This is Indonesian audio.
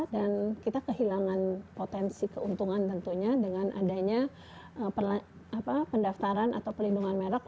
dan kita kehilangan potensi keuntungan tentunya dengan adanya pendaftaran atau pelindungan merek